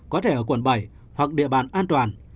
có thể ở quận bảy hoặc địa bàn an toàn